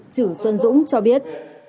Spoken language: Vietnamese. chữ xuân dũng cho biết